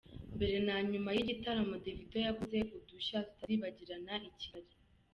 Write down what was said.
Mbere na nyuma y’igitaramo, Davido yakoze udushya tutazibagirana i Kigali.